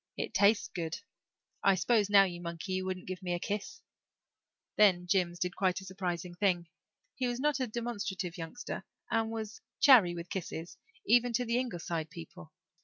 It tastes good. I s'pose now, you monkey, you wouldn't give me a kiss." Then Jims did a quite surprising thing. He was not a demonstrative youngster and was chary with kisses even to the Ingleside people.